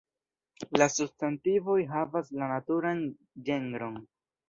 La substantivoj havas la naturan ĝenron.